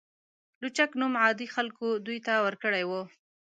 لوچک نوم عادي خلکو دوی ته ورکړی و.